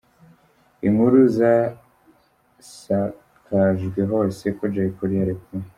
Inkuru zasakajwe hose ko Jay Polly yarekuwe.